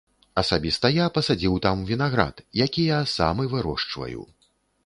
Асабіста я пасадзіў там вінаград, якія сам і вырошчваю.